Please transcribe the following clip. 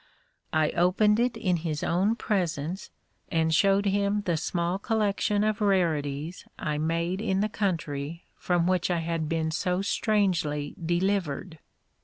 I opened it in his own presence, and showed him the small collection of rarities I made in the country from which I had been so strangely delivered.